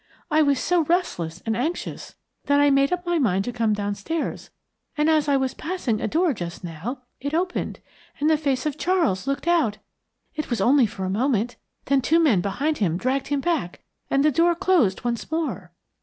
I was so restless and anxious, that I made up my mind to come downstairs, and, as I was passing a door just now, it opened, and the face of Charles looked out. It was only for a moment, then two men behind him dragged him back and the door closed once more."